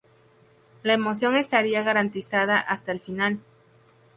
La emoción estaría garantizada hasta el final.